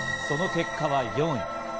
その結果は４位。